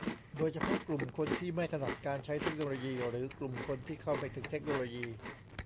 โดยเฉพาะกลุ่มคนที่ไม่ถนัดการใช้เทคโนโลยี หรือ กลุ่มคนที่เข้าไม่ถึงเทคโนโลยี